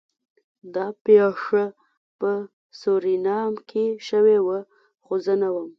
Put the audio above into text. دا پیښه په سورینام کې شوې وه خو زه نه وم